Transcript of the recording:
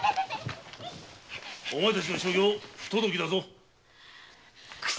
お前たちの所業不届きだぞ。